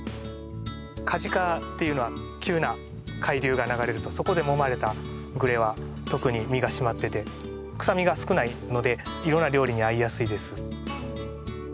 梶賀っていうのは急な海流が流れるとそこでもまれたグレは特に身が締まってて臭みが少ないのでいろんな料理に合いやすいです。